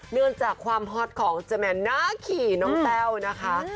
เนื่องจากความฮอตของเจ้าแม่นาขี่น้องแต้วนะคะ